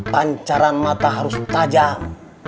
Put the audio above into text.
pancaran mata harus tajam